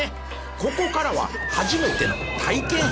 ここからは初めての体験編。